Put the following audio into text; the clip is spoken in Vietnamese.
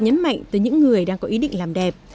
nhấn mạnh tới những người đang có ý định làm đẹp